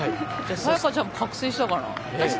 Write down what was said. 早也伽ちゃんも覚醒したかな。